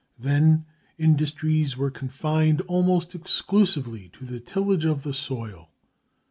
Then industries were confined almost exclusively to the tillage of the soil.